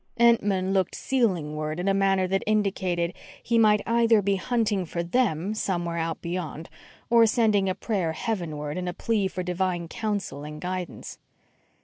Entman looked ceilingward in a manner that indicated he might either be hunting for them somewhere out beyond, or sending a prayer heavenward in a plea for Divine counsel and guidance.